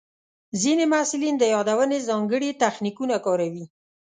ځینې محصلین د یادونې ځانګړي تخنیکونه کاروي.